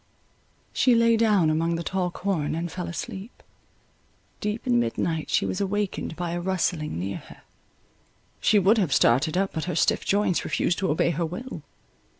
She lay down among the tall corn, and fell asleep. Deep in midnight, she was awaked by a rustling near her; she would have started up, but her stiff joints refused to obey her will.